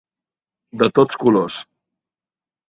De tots colors.